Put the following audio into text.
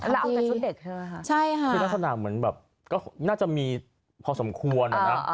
แล้วเอาแต่ชุดเด็กใช่ไหมคะใช่ค่ะคือลักษณะเหมือนแบบก็น่าจะมีพอสมควรอะนะ